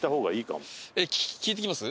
聞いてきます？